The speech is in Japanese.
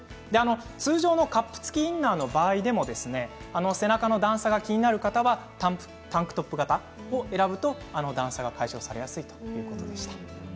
通常のカップ付きインナーの場合でも背中の段差が気になる方はタンクトップ型を選ぶと段差が解消されやすいということでした。